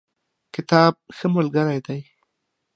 کتاب ښه ملګری دی.